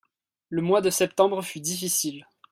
Le mois de septembre fut difficile.